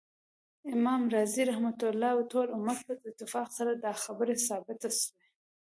امام رازی رحمه الله : ټول امت په اتفاق سره دا خبره ثابته سوی